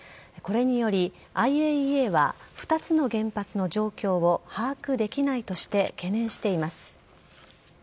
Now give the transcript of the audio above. これによりＩＡＥＡは、２つの原発の状況を把握できないとして懸念しています。